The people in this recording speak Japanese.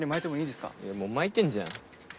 いやもう巻いてんじゃん。